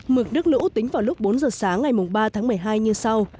mực nước lũ tính vào lúc bốn giờ sáng ngày ba tháng một mươi hai như sau